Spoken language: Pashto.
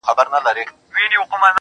چي دغه وينه لږه وچه سي باران يې يوسي